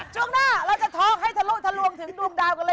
ช่วงหน้าเราจะท็อกให้ทะลุทะลวงถึงดวงดาวกันเลย